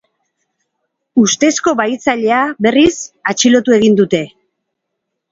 Ustezko bahitzailea, berriz, atxilotu egin dute.